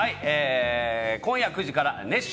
今夜９時から『熱唱！